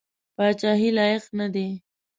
پاچهي لایق نه دی.